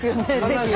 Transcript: ぜひ。